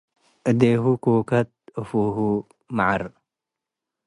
እዴሁ ኩከት - አፍሁ መዐር